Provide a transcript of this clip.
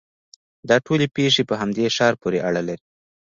دا ټولې پېښې په همدې ښار پورې اړه لري.